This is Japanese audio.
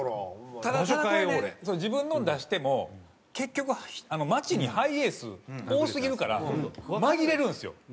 ただこれね自分のを出しても結局街にハイエース多すぎるから紛れるんですよ。